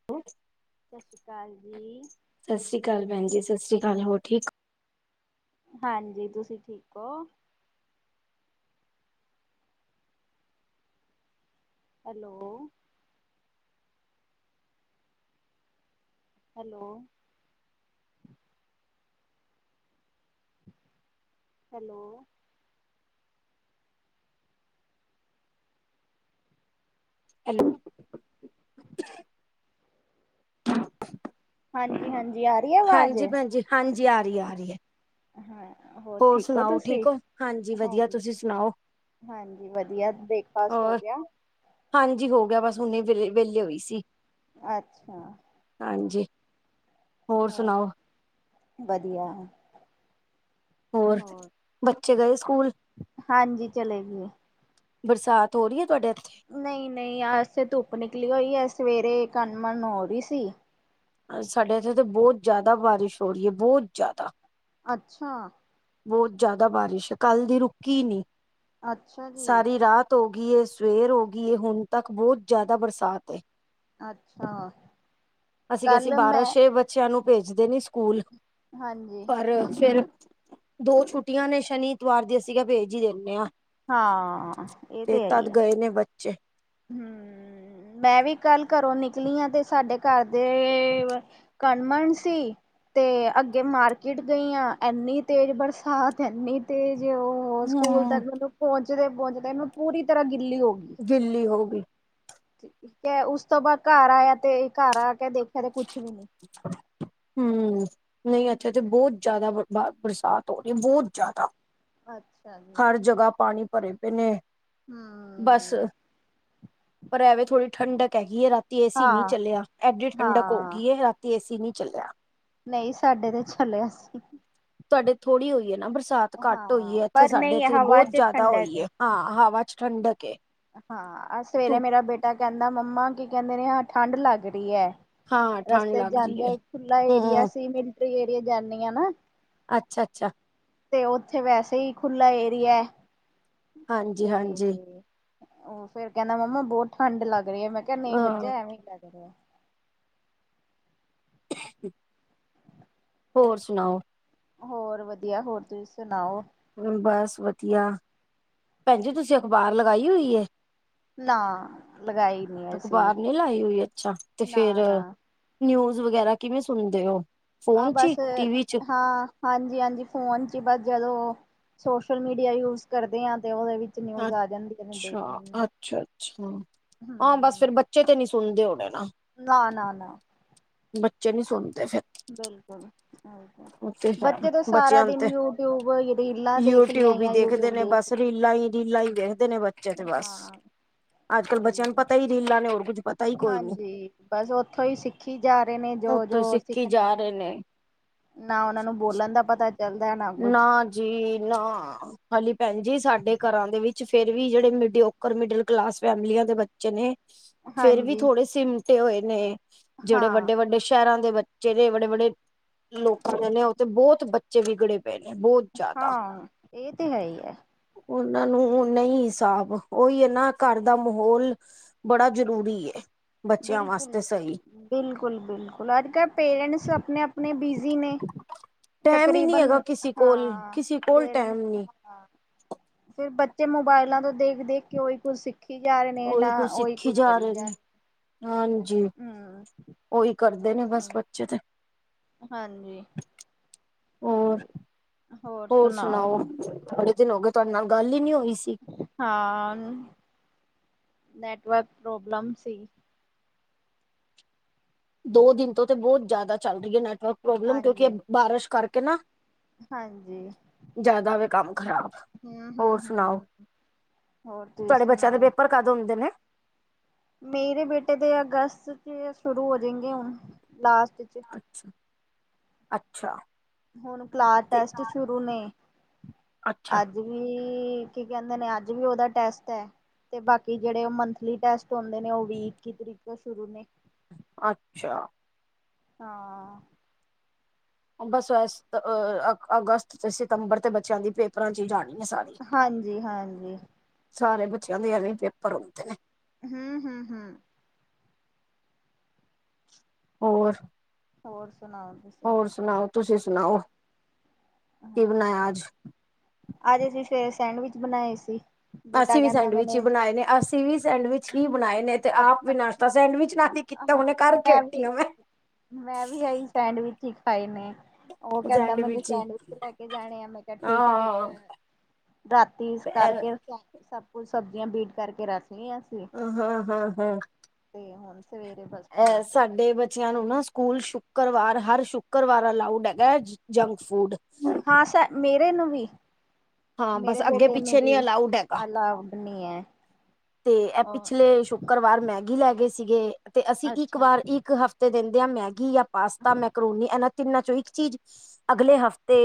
[inaudible] ਸਸ਼ ਰੀ ਕਾਲ ਜੀ। ਸਸ਼ ਰੀ ਕਾਲ ਭੈਣ ਜੀ, ਸਸ ਰੀ ਕਾਲ, ਹੋਰ ਠੀਕ ਹੋ। ਹਾਂਜੀ, ਤੁਸੀਂ ਠੀਕ ਹੋ। ਹੈਲੋ ਹੈਲੋ ਹੈਲੋ ਹੈਲੋ ਹਾਂਜੀ -ਹਾਂਜੀ, ਆ ਰਹੀ ਹੈ ਆਵਾਜ਼? ਹਾਂਜੀ ਭੈਣ ਜੀ, ਹਾਂਜੀ ਆ ਰਹੀ ਆ ਰਹੀ ਐ। ਹਾਂ, ਹੋਰ ਠੀਕ ਹੋ ਤੁਸੀਂ, ਠੀਕ ਵਧੀਆ ਹਾਂਜੀ। ਤੁਸੀਂ ਸੁਣਾਓ ਹਾਂਜੀ ਵਧੀਆ, ਬ੍ਰੇਕਫਾਸਟ ਹੋ ਹੋਰ ਗਿਆ। ਹਾਂਜੀ ਹੋ ਗਿਆ, ਬਸ ਹੁਣੇ ਵਿ ਵਿਹਲੇ ਹੋਈ ਸੀ। ਅੱਛਾ ਹਾਂਜੀ। ਹੋਰ ਵਧੀਆ ਹੋਰ ਬੱਚੇ ਗਏ ਸਕੂਲ ਹਾਂਜੀ ਚਲੇ ਗਏ ਬਰਸਾਤ ਹੋ ਰਹੀ ਹੈ ਤੁਹਾਡੇ ਇੱਥੇ ਨਹੀਂ -ਨਹੀਂ ਅੱਜ ਤੇ ਧੁੱਪ ਨਿਕਲੀ ਹੋਈ ਹੈ ਸਵੇਰੇ ਕੰਨ ਮਨ ਹੋ ਰਹੀ ਸੀ ਸਾਡੇ ਇੱਥੇ ਤਾਂ ਬਹੁਤ ਜ਼ਿਆਦਾ ਬਾਰਿਸ਼ ਹੋ ਰਹੀ ਹੈ ਬਹੁਤ ਜ਼ਿਆਦਾ। ਅੱਛਾ। ਬਹੁਤ ਜ਼ਿਆਦਾ ਬਾਰਿਸ਼ ਹੈ ਕੱਲ੍ਹ ਦੀ ਰੁਕੀ ਨਹੀਂ ਅੱਛਾ ਜੀ ਸਾਰੀ ਰਾਤ ਹੋ ਗਈ ਸਵੇਰ ਹੋ ਗਈ ਹੁਣ ਤੱਕ ਬਹੁਤ ਜ਼ਿਆਦਾ ਬਰਸਾਤ। ਅੱਛਾ ਅਸੀਂ ਕਿਹਾ ਸੀ ਕੱਲ ਮੈਂ ਬਾਰਸ਼ ਏ ਬੱਚਿਆਂ ਨੂੰ ਭੇਜਦੇ ਨੀ ਸਕੂਲ ਹਾਂਜੀ ਪਰ ਫੇਿਰ ਦੋ ਛੁੱਟੀਆਂ ਨੇ ਸ਼ਨੀਤਵਾਰ ਦੀ ਅਸੀਂਗਾ ਭੇਜ ਹੀ ਦਿੰਦੇ ਹਾਂ। ਹਾਂ ਇਹ ਤੇ ਹੈ ਹੀ ਆ ਗਏ ਨੇ ਬੱਚੇ। ਹਮ। ਮੈਂ ਵੀ ਕੱਲ ਘਰੋਂ ਨਿਕਲੀ ਆਾਂ ਤੇ ਸਾਡੇ ਘਰ ਦੇ ਕਣਮਣ ਸੀ। ਤੇ ਅੱਗੇ ਮਾਰਕੀਟ ਗਈ ਆ ਇੰਨੀ ਤੇਜ਼ ਬਰਸਾਤ ਐਨੀ ਤੇਜ ਉਹ ਉਹ ਹੂੰ। ਸਕੂਲ ਤੱਕ ਮੈਨੂੰ ਪਹੁੰਚਦੇ ਪਹੁੰਚਦੇ ਮਨੂੰ ਪੂਰੀ ਤਰ੍ਹਾਂ ਗਿੱਲੀ ਹੋ ਗਈ ਗਿਲੀ ਹੋ ਗਈ ਠੀਕ ਹੈ ਉਸ ਤੋਂ ਬਾਅਦ ਘਰ ਆਇਆ ਤੇ ਘਰ ਆ ਕੇ ਦੇਖਿਆ ਤੇ ਕੁਛ ਵੀ ਨੀ [inaudible] ਹਮ ਨਹੀਂ ਅੱਛਾ ਤੇ ਬਹੁਤ ਜ਼ਿਆਦਾ ਬ ਬਰਸਾਤ ਹੋ ਰਹੀ ਹੈ ਬਹੁਤ ਜ਼ਿਆਦਾ ਅੱਛਾ ਜੀ। ਹਰ ਜਗ੍ਹਾ ਪਾਣੀ ਭਰੇ ਪਏ ਨੇ ਬਸ ਹੂੰ, ਪਰ ਐਵੇਂ ਥੋੜ੍ਹੀ ਠੰਡਕ ਹੈਗੀ ਹੈ ਰਾਤੀ ਏਸੀ ਨਹੀਂ ਚੱਲਿਆ ਐਡੀ ਠੰਡਕ ਹੋਊ ਹਾਂ-ਹਾਂ, ਰਾਤੀ ਏਸੀ ਨੀ ਚੱਲਿਆ ਨਹੀਂ ਸਾਡੇ ਤੇ ਚਲਿਆ ਸੀਂ ਤੁਹਾਡੇ ਥੋੜ੍ਹੀ ਹੋਈ ਹੈ ਨਾ ਬਰਸਾਤ ਘੱਟ ਹੋਈ ਹਾਂ, ਹੈ ਇੱਥੇ ਪਰ ਸਾਡੇ ਨਹੀਂ ਇੱਥੇ ਹਵਾ ਬਹੁਤ ਚ ਜ਼ਿਆਦਾ ਠੰਡਕ ਹੋਈ ਐ। ਹੈ। ਹਾਂ ਹਵਾ ਚ ਠੰਡਕ ਹੈ। ਹਾਂ ਸਵੇਰੇ ਮੇਰਾ ਬੇਟਾ ਕਹਿੰਦਾ ਮੰਮਾ ਕੀ ਕਹਿੰਦੇ ਨੇ ਹਾਂ ਠੰਢ ਲੱਗ ਰਹੀ ਹੈ। ਹਾਂ ਠੰਢ ਰਸਤੇ ਚ ਲੱਗ ਜਾਂਦੇ ਰਹੀ ਹੈ ਹੋ ਖੁਲਾ ਏਰੀਆ ਹੂੰ ਸੀ ਮਿਲਟਰੀ ਏਰੀਆ ਜਾਂਦੇ ਹ ਨਾ ਅੱਛਾ ਅੱਛਾ। ਤੇ ਉੱਥੇ ਵੈਸੇ ਹੀ ਖੁ੍ਲਾ ਏਰੀਆ ਹਾਂਜੀ ਤੇ ਹਾਂਜੀ। ਉਹ ਫੇਰ ਕਹਿੰਦਾ ਮੰਮਾ ਬਹੁਤ ਠੰਢ ਲੱਗ ਰਹੀ ਹੈ ਮੈਂ ਕਿਹਾ ਨਹੀਂ ਹਾਂ। ਬੱਚਾ ਐਵੇਂ ਹੀ ਲੱਗ ਰਿਹਾ। [inaudible] ਹੋਰ ਸੁਣਾਓ? ਹੋਰ ਵਧੀਆ ਹੋਰ ਤੁਸੀਂ ਸੁਣਾਓ? ਬਸ ਵਧੀਆ ਭੈਣ ਜੀ ਤੁਸੀਂ ਅਖ਼ਬਾਰ ਲਗਾਈ ਹੋਈ। ਨਾ ਲਗਾਈ ਨੀ ਅਸੀਂ ਅਖਬਾਰ ਨੇ ਲਾਈ ਹੋਈ ਅੱਛਾ ਤੇ ਫੇਿਰ ਨਾ ਨਾ ਨਿਊਜ਼ ਵਗੈਰਾ ਕਿਵੇਂ ਸੁਣਦੇ ਹੋ? ਆਹ ਫੋਨ ਚ ਈ ਬਸ ਟੀਵੀ ਚ? ਹਾਂ। ਹਾਂਜੀ ਹਾਂਜੀ ਫੋਨ 'ਚ ਹੀ ਬਸ ਜਦੋਂ ਸੋਸ਼ਲ ਮੀਡੀਆ ਯੂਜ ਕਰਦੇ ਹਾਂ ਤੇ ਉਹਦੇ ਵਿੱਚ ਨਿਊਜ਼ ਆ ਜਾਂਦੀਆਂ ਨੇ ਦੇਖ ਅੱਛਾ ਲੈਂਦੇ ਅੱਛਾ ਅੱਛਾ ਹਾਂ ਬਸ ਹਮ ਫਿਰ ਚੇ ਤੇ ਨੀ ਸੁਣਦੇ ਹੋਣੇ ਨਾ? ਨਾ ਨਾ ਨਾ। ਬੱਚੇ ਨਹੀਂ ਸੁਣਦੇ ਫਿਰ। ਬਿਲਕੁਲ। ਹੈ ਬੱਚੇ ਤੋਂ ਸਾਰਾ ਬੱਚਿਆਂ ਨੂੰ ਦਿਨ ਤੇ ਯੂਟਿਊਬ ਰੀਲਾਂ ਦੇਖ ਲਈਆਂ ਯੂਟਿਊਬ ਦੇ ਰੀਲਾ ਹੀ ਰੀਲਾ ਹੀ ਵੇਖਦੇ ਨੇ ਬੱਚੇ ਤੇ ਬਸ ਹਾਂ ਅੱਜ ਕੱਲ ਉਹੀ ਬੱਚਿਆਂ ਨੂੰ ਹੈ ਪਤਾ ਹੀ। ਰੀਲਾ ਨੇ ਹੋਰ ਕੁੱਝ ਪਤਾ ਹੀ ਕੋਈ ਨੀ। ਹਾਂਜੀ ਬਸ ਓਥੋਂ ਹੀ ਸਿੱਖੀ ਜਾ ਰਹੇ ਨੇ ਜੋ ਉੱਤੋਂ ਜੋ ਸਿੱਖੀ ਸਿੱਖਣਾ ਜਾ ਹੈ। ਰਹੇ ਨੇ ਨਾ ਉਹਨਾਂ ਨੂੰ ਬੋਲਣ ਦਾ ਪਤਾ। ਚੱਲਦਾ ਕੁਛ ਨਾ, ਜੀ ਨਾ ਹਾਂਜੀ ਭੈਣ ਜੀ, ਸਾਡੇ ਘਰਾਂ ਦੇ ਵਿੱਚ, ਫੇਰ ਵੀ ਜਿਹੜੇ ਮਿਡਿਓਕਰ, ਮਿਡਲ ਕਲਾਸ ਫੈਮਲੀਆਂ ਦੇ ਬੱਚੇ ਨੇ, ਫੇਰ ਵੀ ਹਾਂਜੀ ਥੋੜੇ ਸਿਮਟੇ ਹੋਏ ਨੇ, ਜਿਹੜੇ ਹਾਂ ਵੱਡੇ -ਵੱਡੇ ਸ਼ਹਿਰਾਂ ਦੇ ਬੱਚੇ ਜਿਹੜੇ ਬੜੇ- ਬੜੇ, ਲੋਕਾਂ ਦੇ ਨੇ, ਉਹ ਤੇ ਬਹੁਤ ਬੱਚੇ ਵਿਗੜੇ। ਦੇ, ਨੇ ਬਹੁਤ ਜ਼ਿਆਦਾ। ਹਾਂ ਇਹ ਤੇ ਹੈ ਹੀ ਹੈ ਉਹਨਾਂ ਨੂੰ, ਨਹੀਂ ਹਿਸਾਬ ਉਹੀਂ ਹੈ ਨਾ, ਘਰ ਦਾ ਮਾਹੌਲ ਬੜਾ ਜ਼ਰੂਰੀ ਹੈ। ਬੱਚਿਆਂ ਬਿਲਕੁਲ ਵਾਸਤੇ ਜੀ ਸਹੀ। ਬਿਲਕੁਲ- ਬਿਲਕੁਲ, ਅੱਜ -ਕੱਲ੍ਹ ਪੇਰੈਂਟਸ, ਆਪਣੇ -ਆਪਣੇ ਬਿਜ਼ੀ ਨੇ। ਟਾਈਮ ਹੀ ਨਹੀਂ ਤਕਰੀਬਨ ਹੈਗਾ, ਕਿਸੀ ਕੋਲ, ਹਾਂ ਕਿਸੀ ਕੋਲ ਟਾਈਮ ਪੇਰੈਂਟਸ ਨਹੀਂ। ਹਾਂ, ਫਿਰ ਬੱਚੇ ਮੋਬਾਈਲਾਂ ਤੋਂ, ਦੇਖ- ਦੇਖ ਕੇ, ਉਹੀ ਕੁਝ ਸਿੱਖ ਸਿੱਖੀ ਜਾ, ਰਹੇ ਨੇ ਨਾ ਉਹੀ ਕੁਝ ਕਰੀ ਜਾ ਰਹੇ ਹਾਂਜੀ, ਹਮ ਉਹੀ ਕਰਦੇ ਨੇ, ਬਸ ਬੱਚੇ ਤੇ। ਹਾਂਜੀ। ਹੋਰ, ਹੋਰ ਸੁਣਾਓ? ਬੜੇ ਦਿਨ ਹੋ ਗਏ। ਤੁਹਾਡੇ ਨਾਲ, ਗੱਲ ਹੀ ਨਹੀਂ ਹੋਈ ਸੀ। ਹਾਂ, ਨੈਟਵਰਕ ਪ੍ਰੋਬਲਮ ਸੀ। ਦੋ ਦਿਨ ਤੋਂ, ਤੇ ਬਹੁਤ ਜ਼ਿਆਦਾ ਚੱਲ ਰਹੀ ਹੈ, ਨੈਟਵਰਕ ਪ੍ਰੋਬਲਮ, ਕਿਉਂਕਿ ਹਾਂਜੀ ਬਾਰਿਸ਼ ਕਰਕੇ ਨਾ ਹਾਂਜੀ। ਜ਼ਿਆਦਾ ਵੇ ਕੰਮ ਖਰਾਬ, ਹਮ ਹੋਰ ਹਮ ਸੁਣਾਓ? ਹਮ ਹੋਰ, ਤੁਸੀਂ ਸੁਣਾਓ? ਬੱਚਿਆਂ ਤੁਹਾਡੇ, ਪੇਪਰ ਕਦ ਹੁੰਦੇ ਨੇ? ਮੇਰੇ ਬੇਟੇ ਦੇ, ਅਗਸਤ ਚ ਸ਼ੁਰੂ ਹੋ ਜਾਏੰਗੇ, ਹੁਣ ਲਾਸਟ ਚ ਅੱਛਾ ਅੱ ਹੁਣ, ਕਲਾਸ ਟੈਸਟ ਸ਼ੁਰੂ ਨੇ ਅੱਛਾ ਅੱਜ ਵੀ ਕੀ, ਕਹਿੰਦੇ ਨੇ ਅੱਜ ਵੀ, ਉਹਦਾ ਟੈਸਟ ਹੈ। ਤੇ ਬਾਕੀ, ਜਿਹੜੇ ਮੰਥਲੀ ਟੈਸਟ ਹੁੰਦੇ ਨੇ, ਉਹ ਵੀਹ ਇੱਕੀ ਤਰੀਕ ਤੋਂ ਸ਼ੁਰੂ ਨੇ। ਅੱਛਾ। ਹਾਂ। ਬਸ, ਅ [unintelligible] ਅਗਸਤ ਤੇ ਸਤੰਬਰ ਤੇ ਬੱਚਿਆਂ ਦੀ ਪੇਪਰਾਂ 'ਚ ਹੀ ਜਾਣੀ ਹੈ ਸਾਰੀ। ਹਾਂਜੀ- ਹਾਂਜੀ। ਸਾਰੇ, ਬੱਚਿਆਂ ਦੇ ਐਵੀਂ ਪੇਪਰ ਹੁੰਦੇ ਨੇ। ਹੂੰ -ਹੂੰ, ਹੂੰ। ਹੋਰ? ਹੋਰ, ਸੁਣਾਓ ਜੀ? ਹੋਰ ਸੁਣਾਓ, ਤੁਸੀਂ ਸੁਣਾਓ, ਕੀ ਹਾਂ ਬਣਾਇਆ ਅੱਜ? ਅੱਜ, ਅਸੀਂ ਸਵੇਰੇ ਸੈਂਡਵਿਚ ਬਣਾਏ ਸੀ। ਬੇਟਾ ਅਸੀਂ ਵੀ ਕਹਿੰਦਾ ਸੈਂਡਵਿਚ ਹੀ ਮੈਨੇ ਬਣਾਏ ਨੇ, ਅਸੀਂ ਵੀ ਸੈਂਡਵਿਚ ਹੀ ਬਣਾਏ ਨੇ, ਤੇ ਆਪ ਵੀ ਹਾਂ ਨਾਸ਼ਤਾ ਸੈਂਡਵਿਚ ਨਾਲ ਹੀ ਕੀਤਾ। ਕੀਤਾ, ਹੁਣੇ ਕਰਕੇ ਹੱਟੀ ਆ ਮੈਂ। ਮੈਂ ਵੀ, ਇਹੀ ਸੈਂਡਵਿਚ ਹੀ ਖਾਏ ਨੇ, ਉਹ ਕਹਿੰਦਾ ਮੈਨੂੰ ਸੈਂਡਵਿਚ ਸਕੂਲ 'ਚ ਲੈ ਕੇ ਜਾਣੇ ਆ, ਮੈਂ ਕਿਹਾ ਠੀਕ ਆ, ਬੇਟਾ ਹਾਂ ਰਾਤੀ ਤੇ ਕਰਕੇ ਰੱਖਿਆ। ਸਭ ਕੁਛ, ਸਬਜ਼ੀਆਂ ਬੀਟ ਕਰਕੇ ਰੱਖ ਲਈਆਂ। ਸੀ ਹਾਂ -ਹਾਂ, ਹਾਂ- ਹਾਂ। ਤੇ ਹੁਣ। ਸਵੇਰੇ, ਬਸ ਐ, ਬਣਾਤੀ। ਸਾਡੇ ਬੱ ਬੱਚਿਆਂ ਨੂੰ ਨਾ, ਸਕੂਲ ਸ਼ੁੱਕਰਵਾਰ, ਹਰ ਸ਼ੁੱਕਰਵਾਰ ਅਲਾਊਡ ਹੈਗਾ, ਜੰਕ ਫੂਡ। ਹਾਂ, ਸ ਮੇਰੇ ਨੂੰ ਵੀ, ਹਾਂ ਬਸ ਮੇਰੇ ਅੱਗੇ ਬੇਟੇ ਨੂੰ ਪਿੱਛੇ ਨਹੀਂ ਵੀ, ਅਲਾਊਡ ਹੈਗਾ ਅਲਾਉ। ਨਹੀਂ, ਹੈ। ਤੇ ਇਹ, ਉਹ ਪਿਛਲੇ ਸ਼ੁੱਕਰਵਾਰ ਮੈਗੀ ਲੈ ਗਏ ਸੀਗੇ, ਤੇ ਅਸੀਂ ਇੱਕ ਅੱਛਾ। ਵਾਰ ਇੱਕ ਹਫ਼ ਤੇ, ਦਿੰਦੇ ਆ ਮੈਗੀ ਜਾਂ ਪਾਸਤਾ, ਮੈਕਰੋਨੀ ਇਹਨਾਂ ਤਿੰਨਾਂ ਚੋਂ, ਇੱਕ ਚੀਜ਼, ਅਗਲੇ ਹਫ਼ਤੇ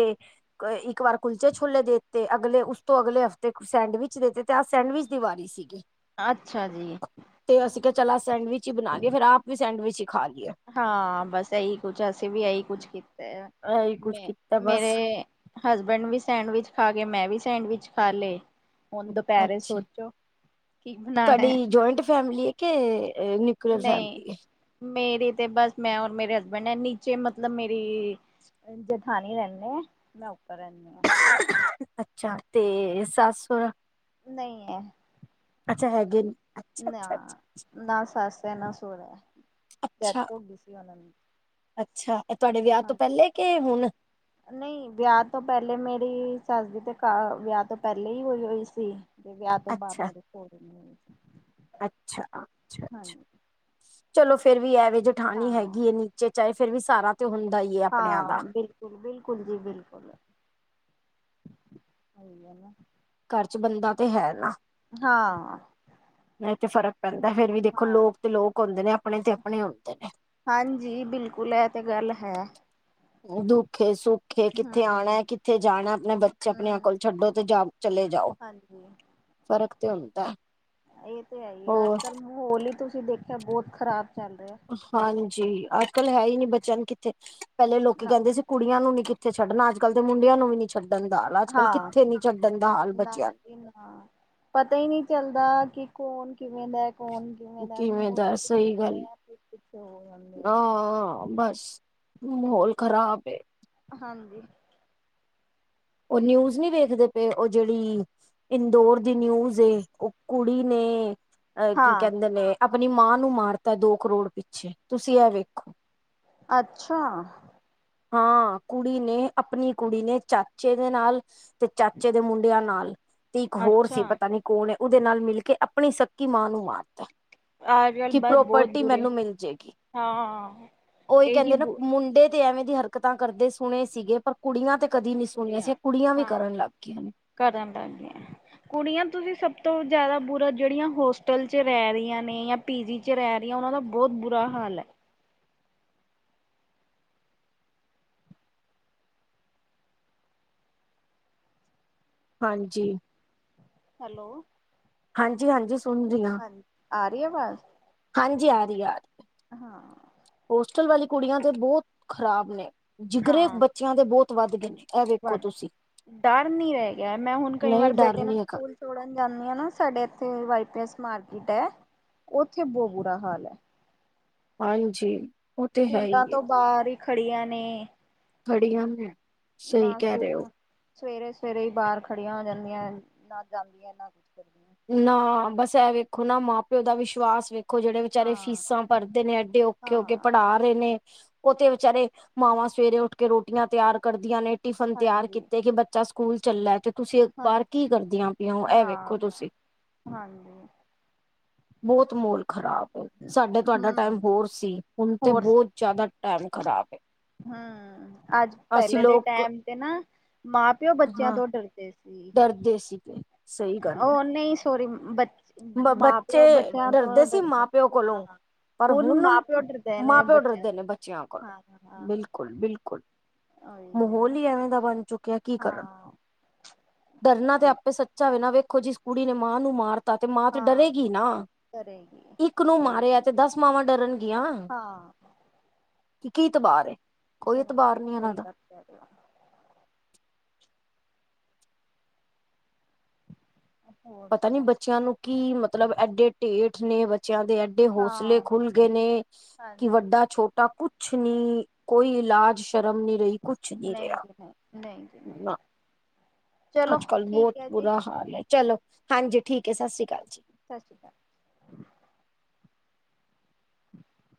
ਇੱਕ ਵਾਰ ਕੁਲਚੇ, ਛੋਲੇ ਦੇ ਦਿੱਤੇ, ਅਗਲੇ ਉਸ ਤੋਂ ਅਗਲੇ ਹਫ਼ਤੇ, ਕੁਛ ਸੈਂਡਵਿਚ ਦੇ ਦਿੱਤੇ, ਅੱਜ ਸੈਂਡਵਿਚ ਦੀ ਵਾਰੀ। ਦੀ ਸੀਗੀ। ਅੱਛਾ ਜੀ। ਤੇ ਅਸੀਂ ਕਿਹਾ ਚੱਲ ਸੈਂਡਵਿ ਹੀ ਬਣਾ ਲਈਏ। ਫੇਰ ਆਪ ਵੀ ਸੈਂਡਵਿ ਹੀ ਖਾ ਲਈ ਏ। ਹਾਂ ਬਸ ਇਹੀ ਕੁੱਛ, ਅਸੀਂ ਵੀ ਇਹੀ ਕੁੱਛ ਕੀਤਾ ਆ ਇਹੀ ਕੁੱਝ ਮ ਕੀਤਾ ਬਸ ਮੇਰੇ। ਹਸਬੈਂਡ ਵੀ ਸੈਂਡਵਿਚ ਖਾ ਕੇ, ਮੈਂ ਵੀ ਸੈਂਡਵਿਚ ਖਾ ਲਏ। ਹੁਣ ਦੁਪਹਿਰੇ ਅੱਛਾ ਸੋਚੋ ਕੀ ਬਣਾਉਣਾ ਹੈ। ਤੁਹਾਡੀ ਜੁਆਇੰਟ ਫੈਮਲੀ ਏ। ਕੇ ਅ ਨ। ਨਹੀਂ ਮੇਰੀ ਤੇ ਬਸ, ਮੈਂ ਔਰ ਮੇਰੇ ਹਸਬੈਂਡ ਨੇ ਨੀਚੇ ਮਤਲਬ ਮੇਰੀ ਮੇਰੀ ਜੇਠਾਣੀ ਥੱਲੇ ਆ, ਮੈਂ ਉੱਪਰ ਰਹਿੰਦੀ ਆਂ। ਅੱਛਾ, ਤੇ ਸੱਸ-ਸੌ। ਨਹੀਂ ਹੈ। ਅੱਛਾ ਹੈਗੇ। ਅੱਛਾ ਅੱਛਾ ਨਾ, ਅੱਛਾ ਨਾ ਸੱਸ ਹੈ, ਨਾ ਸੋਹਰਾ ਹੈ। ਅੱਛਾ ਡੈਥ ਹੋ ਗਈ ਸੀ ਉਹਨਾਂ ਦੀ। ਅੱਛਾ, ਇਹ ਤੁਹਾਡੇ ਵਿਆਹ ਤੋਂ ਹਾਂ ਪਹਿਲੇ ਕਿ ਹੁਣ। ਨਹੀਂ ਵਿਆਹ ਤੋਂ ਪਹਿਲੇ ਮੇਰੀ ਸੱਸ ਦੀ ਤੇ, ਵਿਆਹ ਤੋਂ ਪਹਿਲੇ ਹੀ ਹੋਈ ਹੁਈ ਸੀ। ਤੇ ਵਿਆਹ ਤੋਂ ਬਾਅਦ ਮੇਰੇ ਸੁਹਰੇ ਦੀ ਹੋਈ ਸੀ। ਅੱਛਾ, ਅੱਛਾ- ਅੱਛਾ ਹਾਂਜੀ ਚਲੋ ਫੇਰ ਵੀ ਐ ਵੇਂ ਜਠਾਣੀ ਹਾਂ ਹੈਗੀ ਹੈ ਨਹੀਂ। ਜੇ ਚਾਹੇ ਫੇਰ ਵੀ ਸਾਰਾ। ਤੇ ਉਹ ਹੁੰਦਾ ਹੀ ਹੈ। ਹਾਂ ਬਿਲਕੁਲ। ਬਿਲਕੁਲ ਜੀ ਬਿਲਕੁਲ ਸਹੀ ਹੈ ਨਾ। ਘਰ ਚ ਬਣਦਾ ਤਾਂ ਹੈ ਨਾ। ਹਾਂ। ਨਹੀਂ ਤੇ ਫ਼ਰਕ ਪੈਂਦਾ ਹੈ। ਫੇਰ ਵੀ ਦੇਖੋ ਹਾਂ ਲੋਕ ਤੇ ਲੋਕ ਹੁੰਦੇ ਨੇ, ਆਪਣੇ ਤੇ ਆਪਣੇ ਹੁੰਦੇ ਨੇ। ਹਾਂਜੀ, ਬਿਲਕੁਲ ਇਹ ਤੇ ਗੱਲ ਹੈ। ਦੁਖ ਏ, ਸੁੱਖ ਏ ਕਿੱਥੇ ਹਮ ਆਉਣਾ, ਕਿੱਥੇ ਜਾਣਾ ਆਪਣੇ ਬੱਚੇ ਆਪਣੇ ਆਪ ਕੋਲ ਛੱਡੋ ਤੇ ਜਾ ਚਲੇ ਜਾਓ। ਹੂੰ। ਫਰਕ ਤੇ ਹੁੰਦਾ। ਇਹ ਤਾਂ ਹੈ ਹੀ ਆ। ਹੋਰ ਅੱਜ ਕੱਲ ਮਹੌਲੀ ਤੁਸੀਂ ਦੇਖਿਆ ਬਹੁਤ ਖ਼ਰਾਬ ਚੱਲ ਰਿਹਾ। ਹਾਂਜੀ, ਅੱਜ ਕੱਲ ਹੈ ਹੀ ਨੀ ਬੱਚਿਆਂ ਨੂੰ ਕਿੱਥੇ। ਪਹਿਲੇ ਲੋਕੀ ਨਾ ਕਹਿੰਦੇ ਸੀ। ਕੁੜੀਆਂ ਨੂੰ ਨੀ ਕਿਥੇ ਛੱਡਣਾ। ਅੱਜ ਕੱਲ ਦੇ ਮੁੰਡਿਆਂ ਨੂੰ ਵੀ ਨੀ ਛੱਡਣ ਦਾ ਹਾਲ, ਅੱਜ ਕੱਲ ਕਿੱਥੇ ਨੀ ਛੱਡਣ ਦਾ ਹਾਲ ਨਾ ਬੱਚਿਆਂ ਨੂੰ। ਜੀ ਹਾਂ। ਪਤਾ ਹੀ ਨਹੀਂ ਚੱਲਦਾ, ਕਿ ਕੌਣ ਕਿਵੇਂ ਦਾ ਹੈ। ਕੌਣ ਕਿਵੇਂ ਮੂੰਹ ਦਾ ਦੇ ਰੈ। ਪਿੱਛੇ ਸਹੀ ਹੁੰਦੇ ਗੱਲ, ਆ। ਤੇ ਪਿੱਛੇ ਹੋ ਜਾਂਦੇ ਆ। ਹਾਂ ਬਸ। ਮਾਹੌਲ ਖਰਾਬ ਹੈ। ਹਾਂਜੀ। ਉਹ ਨਿਊਜ਼ ਨਹੀਂ ਵੇਖਦੇ ਪਏ। ਉਹ ਜਿਹੜੀ ਇੰਦੋਰ ਦੀ ਨਿਊਜ਼ ਏ, ਉਹ ਕੁੜੀ ਨੇ ਅਹ ਕੀ ਹਾਂ ਕਹਿੰਦੇ ਨੇ ਆਪਣੀ ਮਾਂ ਨੂੰ ਮਾਰਤਾ, ਦੋ ਕਰੋੜ ਪਿੱਛੇ। ਤੁਸੀਂ ਇਹ ਵੇਖੋ। ਅੱਛਾ! ਹਾਂ ਕੁੜੀ ਨੇ ਆਪਣੀ ਕੁੜੀ ਨੇ, ਚਾਚੇ ਦੇ ਨਾਲ ਤੇ ਚਾਚੇ ਦੇ ਮੁੰਡਿਆਂ ਨਾਲ, ਤੀ ਕਰੋੜ ਅੱਛਾ ਸੀ, ਪਤਾ ਨੀ। ਕੋਣ ਹੈ। ਉਹਦੇ ਨਾਲ ਮਿਲ ਕੇ ਆਪਣੀ ਸਕੱਕੀ ਮਾਂ ਨੂੰ ਮਾਰਤਾ। ਅੱਜ ਕੱਲ ਕਿ ਬਸ ਬਹੁਤ ਪ੍ਰੋਪਰਟੀ ਬੁਰੇ ਮੈਨੂੰ ਮਿਲ ਜਾਏਗੀ। ਹਾਂ ਉਹੀ ਇਹੀ ਕਹਿੰਦੇ ਨਾ ਬੁ ਮੁੰਡੇ ਤੇ ਐਵੇਂ ਦੀ ਹਰਕਤਾਂ ਕਰਦੇ ਸੁਣੇ ਸੀਗੇ। ਪਰ ਕੁੜੀਆਂ ਤੇ ਕਦੀ ਨੀ ਸੁਣੀਆਂ ਸੀ ਕੁੜੀਆਂ ਵੀ ਕਰਨ ਲੱਗ ਗੀਆ ਨੇ। ਕਰਨ ਲੱਗ ਗਿਆਂ। ਕੁੜੀਆਂ ਤੁਸੀਂ ਸਭ ਤੋਂ ਜ਼ਿਆਦਾ ਬੁਰਾ, ਜਿਹੜੀਆਂ ਹੋਸਟਲ ਚ ਰਹਿ ਰਹੀਆਂ ਨੇ। ਪੀ ਜੀ ਚ ਰਹਿ ਰਹੀਆ ਹਾਂ, ਉਹਨਾਂ ਦਾ ਬਹੁਤ ਬੁਰਾ ਹਾਲ ਹੈ। ਹਾਂਜੀ। ਹੈਲੋ। ਹਾਂਜੀ ਹਾਂਜੀ ਸੁਣ ਰਹੀ ਆ ਹਾਂਜੀ ਆ ਰਹੀ ਆਵਾਜ਼? ਹਾਂਜੀ ਆ ਰਹੀ ਆ ਰਹੀ। ਹਾਂ। ਹੋਸਟਲ ਵਾਲੀ ਕੁੜੀਆਂ ਤੇ ਬਹੁਤ ਖ਼ਰਾਬ ਨੇ ਜਿਗਰੇ ਹਾਂ ਬੱਚਿਆਂ ਦੇ ਬਹੁਤ ਵੱਧ ਗਏ ਨੇ। ਇਹ ਵੇਖੋ ਤੁਸੀਂ ਡਰ ਨੀ ਰਹਿ ਗਿਆ ਮੈਂ ਹੁਣ ਕਈ ਨਹੀਂ ਵਾਰ ਡਰ ਬੇਟੇ ਨਾਲ ਨੀ ਹੈਗਾ ਸਕੂਲ‌। ਛੋੜਨ ਜਾਂਦੀ ਹੈ ਨਾ ਸਾਡੇ ਇੱਥੇ ਵਾਈ ਪੀਐਸ ਮਾਰਕੀਟ ਹੈ ਉੱਥੇ ਬਹੁਤ ਬੁਰਾ ਹਾਲ ਹੈ। ਹਾਂਜੀ। ਉਹ ਤੇ ਹੈ ਹੀ ਸਕੂਲਾਂ ਏ। ਤੋਂ ਬਾਹਰ ਹੀ ਖੜ੍ਹੀਆਂ ਨੇ। ਖੜੀਆਂ ਨੇ ਸਹੀ ਨਾ ਕਹਿ ਸਕੂਲ ਰਹੇ ਹੋ ਨਾ। ਸਵੇਰੇ ਸਵੇਰੇ ਹੀ ਬਾਹਰ ਖੜੀਆਂ ਹੋ ਜਾਂਦੀਆਂ ਨਾ ਜਾਂਦੀਆਂ ਇਹਨਾਂ। ਨਾ ਬਸ ਇਹ ਵੇਖੋ ਨਾ ਮਾਂ ਪਿਓ ਦਾ ਵਿਸ਼ਵਾਸ ਵੇਖੋ। ਦੇਖੋ ਜਿਹੜੇ ਵਿਚਾਰੇ ਹਾਂ ਫੀਸਾਂ ਭਰਦੇ ਨੇ ਐਡੇ ਔਖੇ ਹੋ ਕੇ ਹਾਂ ਪੜ੍ਹਾ ਨੇ ਉਹ ਤੇ ਵਿਚਾਰੇ ਮਾਵਾਂ ਸਵੇਰੇ ਉੱਠ ਕੇ ਰੋਟੀਆਂ ਤਿਆਰ ਕਰਦੀਆਂ ਨੇ ਟਿਫਨ ਤਿਆਰ ਹਾਂਜੀ ਕੀਤੇ ਕਿ ਬੱਚਾ ਸਕੂਲ ਚੱਲਾ ਤੇ ਤੁਸੀਂ ਇੱਕ ਵਾਰ ਹਾਂਜੀ ਕੀ ਕਰਦੀਆਂ ਪਈਆਓ ਇਹ ਵੇਖੋ ਹਾਂ ਤੁਸੀਂ। ਹਾਂਜੀ। ਬਹੁਤ ਮੋਲ ਖਰਾਬ। ਸਾਡੇ ਤੁਹਾਡਾ ਹਮ ਟਾਈਮ ਹੋਰ ਸੀ ਹੁਣ ਤੇ ਹੋਰ ਬਹੁਤ ਜ਼ਿਆਦਾ ਟਾਈਮ ਖ਼ਰਾਬ ਹੈ। ਹਮ ਅੱਜ ਅਸੀਂ ਪਹਿਲੇ ਦੇ ਲੋਕ ਟਾਈਮ ਤੇ ਨਾ ਮਾਂ ਪਿਓ ਬੱਚਿਆਂ ਤੋਂ ਡਰਦੇ ਸੀ। ਪਰਦੇਸੀ ਪ। ਉਹ ਨਹੀਂ ਸੋਰੀ ਬ ਬ ਮਾਂ ਬੱਚੇ ਪਿਓ ਬੱਚਿਆਂ ਡਰਦੇ ਤੋਂ ਸੀ ਮਾਂ ਪਿਓ ਕੋਲੋਂ। ਹਾਂ ਪਰ ਮਾਂ ਹੁਣ ਪਿਓ ਡਰਦੇ ਮਾਂ ਨੇ ਪਿਓ ਬੱਚਿਆਂ ਡਰਦੇ ਨੇ ਬੱਚਿਆਂ ਤੋਂ ਕੋਲੋਂ ਹਾਂ ਹਾਂ ਬਿਲਕੁਲ ਬਿਲਕੁਲ। ਬਿਲਕੁਲ ਉਹੀ ਹੈ ਮਾਹੌਲ ਨਾ ਹੀ ਐਵੇਂ ਦਾ ਬਣ ਚੁੱਕਿਆ ਕੀ ਕਰਨ। ਹਾਂ ਡਰਨਾ ਤੇ ਉਹੀ ਆਪੇ ਸੱਚਾ ਵ ਨਾ ਵੇਖੋ ਜਿਸ ਕੁੜੀ ਨੇ ਮਾਂ ਨੂੰ ਮਾਰ ਤਾ ਤੇ ਮਾਂ ਤੇ ਡਰੇਗੀ ਨਾ। ਸਰੇ। ਇੱਕ ਨੂੰ ਮਾਰਿਆ ਤੇ ਦਸ ਮਾਵਾਂ ਡਰਨਗੀਆਂ। ਹਾਂ ਕਿ ਤਬਾਰ ਹੈ। ਮਾਨ ਸਹੀ ਕਰਕੇ ਦੇ [unintelligible] ਹੋ ਹੋਰ ਪਤਾ ਨੀ ਸੁਣਾਓ ਬੱਚਿਆਂ ਨੂੰ ਕੀ ਮਤਲਬ ਐਡੇ ਢੇਠ ਨੇ ਬੱਚਿਆਂ ਦੇ। ਐਡੇ ਹੌਸਲੇ ਹਾਂ ਖੁੱਲ ਗਏ ਨੇ ਕਿ ਹਾਂਜੀ ਵੱਡਾ ਛੋਟਾ ਕੁਛ ਕੁਛ ਨੀ ਕੋਈ ਲਾਜ ਸ਼ਰਮ ਨੀ ਰਹੀ ਕੁਛ ਨਹੀਂ ਰਿਹਾ ਜੀ ਨਹੀਂ ਨਹੀਂ ਜੀ ਨਹੀਂ ਨਾ। ਚਲੋ ਅੱਜ ਕੱਲ ਬਹੁਤ ਠੀਕ ਹੈ ਜੀ ਬੁਰਾ ਹਾਲ ਹੈ ਚਲੋ ਹਾਂਜੀ ਠੀਕ ਹੈ ਸਤਿ ਸ੍ਰੀ ਅਕਾਲ ਜੀ। ਸਤਿ ਸ਼੍ਰੀ ਅਕਾਲ। ਹ [inaudible]